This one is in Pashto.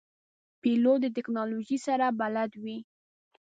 پیلوټ د تکنالوژۍ سره بلد وي.